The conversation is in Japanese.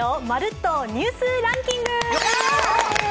「まるっと！ニュースランキング」！